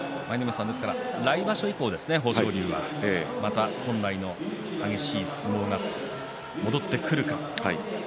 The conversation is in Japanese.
来場所以降ですね、豊昇龍はまた本来の激しい相撲が戻ってくるか。